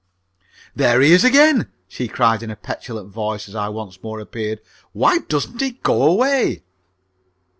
"There he is again!" she cried in a petulant voice as I once more appeared. "Why doesn't he go away?"